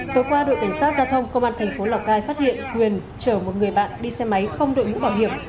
tối qua đội cảnh sát giao thông công an thành phố lào cai phát hiện nguyên chở một người bạn đi xe máy không đội mũ bảo hiểm